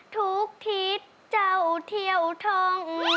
ทุกทิศเจ้าเที่ยวทอง